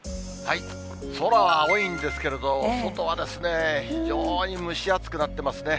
空は青いんですけれど、外は非常に蒸し暑くなってますね。